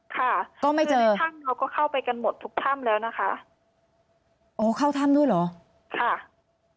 ค่ะก็ไม่เจอในถ้ำเขาก็เข้าไปกันหมดทุกถ้ำแล้วนะคะโอ้เข้าถ้ำด้วยเหรอค่ะ